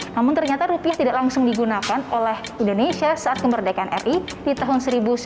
namun ternyata rupiah tidak langsung digunakan oleh indonesia saat kemerdekaan ri di tahun seribu sembilan ratus sembilan puluh